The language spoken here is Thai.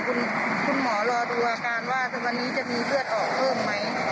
คุณหมอรอดูอาการว่าวันนี้จะมีเลือดออกเพิ่มไหม